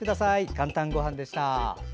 「かんたんごはん」でした。